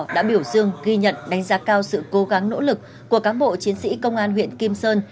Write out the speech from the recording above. đã biểu dương ghi nhận đánh giá cao sự cố gắng nỗ lực của cán bộ chiến sĩ công an huyện kim sơn